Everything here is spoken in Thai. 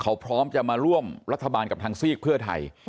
เขาพร้อมจะมาร่วมรัฐบาลกับทางซีกเพื่อไทย